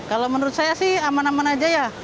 kalau menurut saya sih aman aman aja ya